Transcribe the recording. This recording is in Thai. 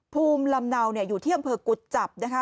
ภูมิลำเนาอยู่ที่อำเภอกุจจับนะคะ